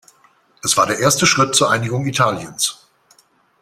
Es war der erste Schritt zur Einigung Italiens.